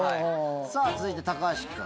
さあ、続いて高橋君。